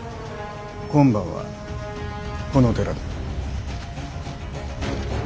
今晩はこの寺で。